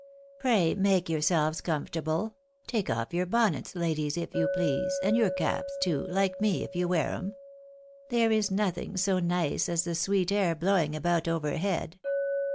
" Pray make yourselves comfortable ; take off your bonnets, A COOLING OPERATION. 191 ladies, if you please, and your caps too, like me, if you wear 'em. There is notliing so nice as the sweet air blowing about overhead.